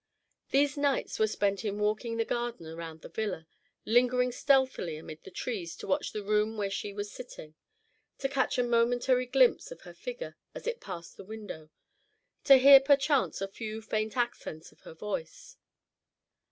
These nights were spent in walking the garden around the villa, lingering stealthily amid the trees to watch the room where she was sitting, to catch a momentary glimpse of her figure as it passed the window, to hear perchance a few faint accents of her voice.